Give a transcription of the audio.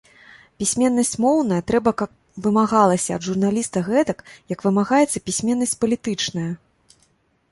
Пісьменнасць моўная трэба каб вымагалася ад журналіста гэтак, як вымагаецца пісьменнасць палітычная.